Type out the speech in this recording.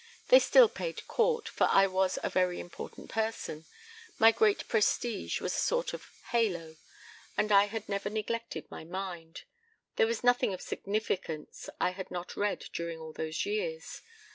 They still paid court, for I was a very important person, my great prestige was a sort of halo, and I had never neglected my mind. There was nothing of significance I had not read during all these years.